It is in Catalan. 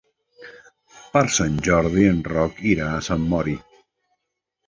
Per Sant Jordi en Roc irà a Sant Mori.